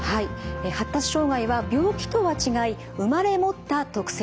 発達障害は病気とは違い生まれ持った特性です。